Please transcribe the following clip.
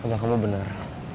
tentang kamu bener